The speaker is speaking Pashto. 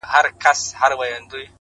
زما هيله زما د وجود هر رگ کي بهېږي-